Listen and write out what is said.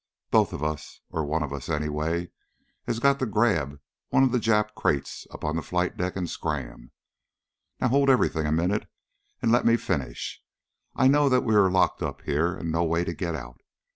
"Both of us, or one of us, anyway, has got to grab one of the Jap crates up on the flight deck, and scram. Now, hold everything a minute, and let me finish. I know that we are locked up here, and no way to get out.